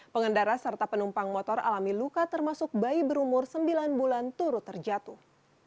pengendara serta penumpang motor alami luka termasuk bayi berumur sembilan bulan turut terjatuh